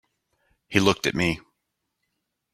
He looked at me.